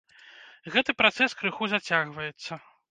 Гэты працэс крыху зацягваецца.